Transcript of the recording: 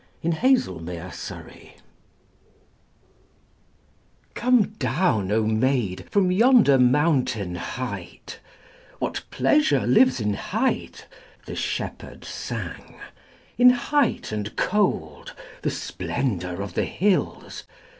966. COME DOWN, O MAID COME down, O maid, from yonder mountain height: What pleasure lives in height (the shepherd sang), In height and cold, the splendour of the hills